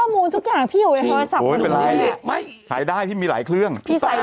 ้อมูลทุกข้างดูได้ที่มีหลายเครื่อง